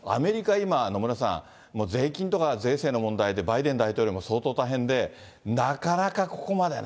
今、野村さん、税金とか税制の問題で、バイデン大統領も相当大変で、なかなかここまでね。